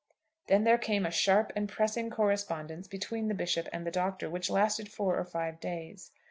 Then there came a sharp and pressing correspondence between the Bishop and the Doctor, which lasted four or five days.